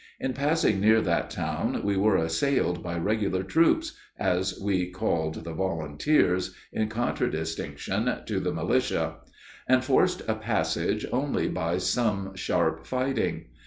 In passing near that town we were assailed by regular troops, as we called the volunteers, in contradistinction to the militia, and forced a passage only by some sharp fighting.